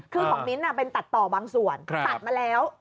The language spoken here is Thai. คือของมิ้นท์เป็นตัดต่อบางส่วนตัดมาแล้ว